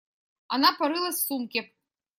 Она порылась в сумке.